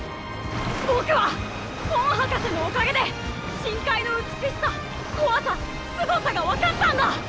僕はコン博士のおかげで深海の美しさ怖さすごさが分かったんだ！